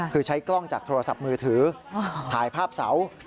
คือใช้กล้องจากโทรศัพท์มือถือถ่ายภาพเสา